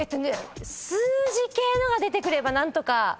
数字系のが出てくれば何とか。